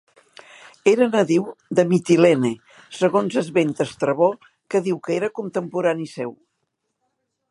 Era nadiu de Mitilene segons esmenta Estrabó que diu que era contemporani seu.